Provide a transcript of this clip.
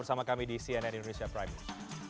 bersama kami di cnn indonesia prime news